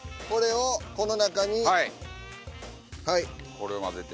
これを混ぜて。